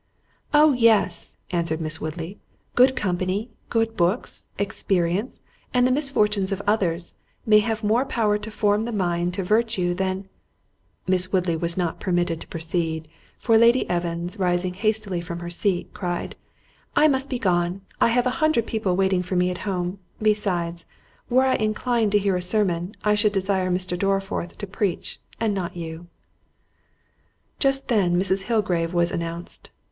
"Oh, yes," answered Miss Woodley, "good company, good books, experience, and the misfortunes of others, may have more power to form the mind to virtue, than"—— Miss Woodley was not permitted to proceed, for Lady Evans rising hastily from her seat, cried, "I must be gone—I have an hundred people waiting for me at home—besides, were I inclined to hear a sermon, I should desire Mr. Dorriforth to preach, and not you." Just then Mrs. Hillgrave was announced.